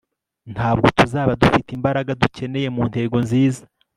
ntabwo tuzaba dufite imbaraga dukeneye mu ntego nziza